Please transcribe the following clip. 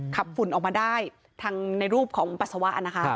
ฝุ่นออกมาได้ทั้งในรูปของปัสสาวะนะคะ